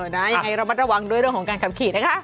นะอย่างไรเราไม่ตระวังด้วยเรื่องของการกับขี่นะคะ